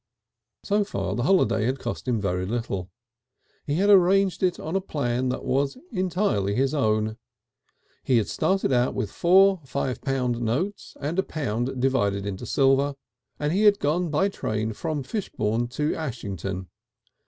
So far the holiday had cost him very little. He had arranged it on a plan that was entirely his own. He had started with four five pound notes and a pound divided into silver, and he had gone by train from Fishbourne to Ashington.